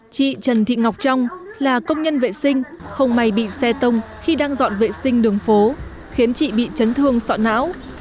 chị trần thị ngọc trong là công nhân vệ sinh không may bị xe tông khi đang dọn vệ sinh đường phố khiến chị bị chấn thương sọ não